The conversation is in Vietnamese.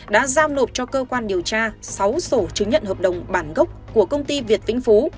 đã giao nộp cho cơ quan điều tra sáu sổ chứng nhận hợp đồng bản gốc của công ty việt vĩnh phú